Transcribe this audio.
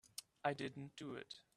I didn't do it.